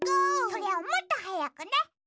それをもっとはやくね。